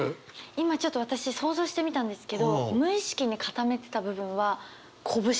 今ちょっと私想像してみたんですけど無意識に堅めてた部分は拳でした。